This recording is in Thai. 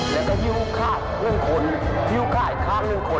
แล้วก็หิ้วค่าเรื่องคนหิ้วค่าอีกครั้งหนึ่งคน